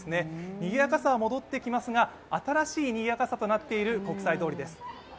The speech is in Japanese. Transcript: にぎやかさは戻っていますが新しいにぎやかさになっている国際通りです。